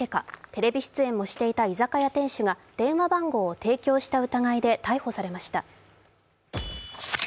テレビ出演もしていた居酒屋店主が電話番号を提供した疑いで逮捕されました。